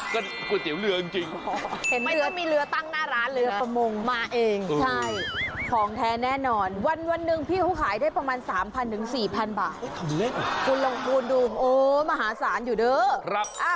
ก๋วยเตี๋ยวเรือจริงไม่ต้องมีเรือตั้งหน้าร้านเรือประมงมาเองของแทนแน่นอนวันนึงพี่ผู้ขายได้ประมาณ๓๐๐๐๔๐๐๐บาท